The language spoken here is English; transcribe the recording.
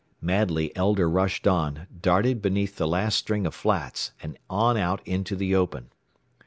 Madly Elder rushed on, darted beneath the last string of flats, and on out into the open.